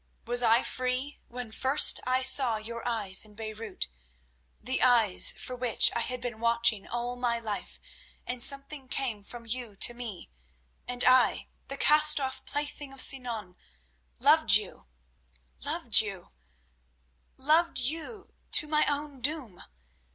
Was I free when first I saw your eyes in Beirut, the eyes for which I had been watching all my life, and something came from you to me, and I—the cast off plaything of Sinan—loved you, loved you, loved you—to my own doom?